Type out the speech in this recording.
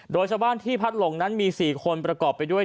โดยชาวบ้านที่พัดหลงนั้นมี๔คนประกอบไปด้วย